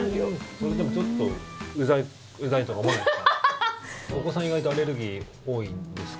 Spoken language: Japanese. それ、でもちょっと、うざいとか思わないですか？